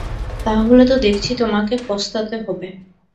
তা হলে তো দেখছি তোমাকে পস্তাতে হবে।